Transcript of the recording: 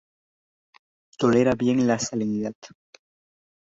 Tolera bien la salinidad.